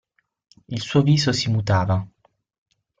Il suo viso si mutava.